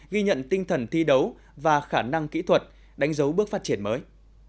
ghi nhận tinh thần thi đấu và khả năng kỹ thuật đánh dấu bước phát triển mới